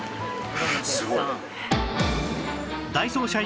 すごい。